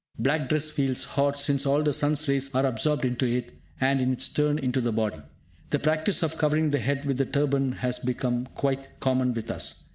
Black dress feels hot, since all the sun's rays are absorbed into it, and, in its turn, into the body. The practice of covering the head with the turban has become quite common with us.